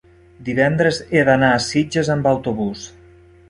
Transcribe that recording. divendres he d'anar a Sitges amb autobús.